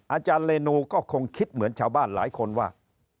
อาจารย์เรนูก็คงคิดเหมือนชาวบ้านหลายคนว่า